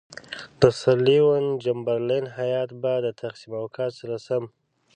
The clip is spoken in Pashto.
د سر لیوین چمبرلین هیات به د تقسیم اوقات سره سم.